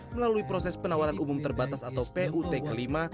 melalui proses penawaran umum terbatas atau put kelima